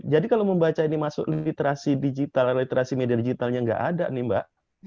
jadi kalau membaca ini masuk literasi digital literasi media digitalnya nggak ada nih mbak